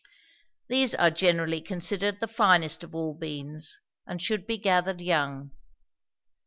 These are generally considered the finest of all beans, and should be gathered young.